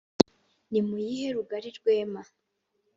nimuyihe rugari rwema